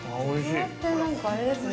◆ちくわって、なんかあれですね。